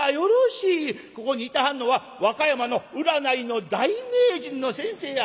ここにいてはんのは和歌山の占いの大名人の先生や。